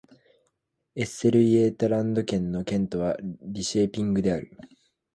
エステルイェータランド県の県都はリンシェーピングである